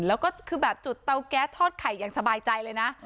แล้วก็คือแบบจุดเตาแก๊สทอดไข่อย่างสบายใจเลยนะ